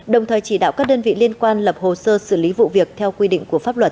đồng thời chỉ đạo các đơn vị liên quan lập hồ sơ xử lý vụ việc theo quy định của pháp luật